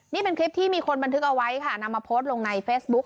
นี่เป็นคลิปที่มีคนบันทึกเอาไว้ค่ะนำมาโพสต์ลงในเฟซบุ๊ค